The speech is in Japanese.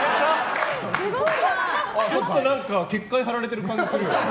ちょっと結界張られている感じするよね。